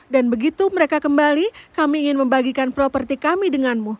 dan begitu mereka kembali kami ingin membagikan properti kami denganmu